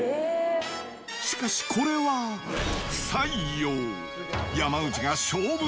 しかしこれは不採用。